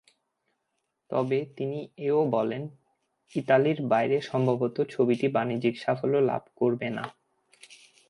তবে তিনি এ-ও বলেন, ইতালির বাইরে সম্ভবত ছবিটি বাণিজ্যিক সাফল্য লাভ করবে না।